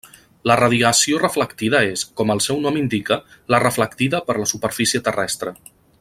La radiació reflectida és, com el seu nom indica, la reflectida per la superfície terrestre.